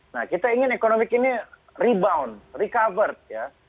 nah kita ingin ekonomi ini rebound recover ya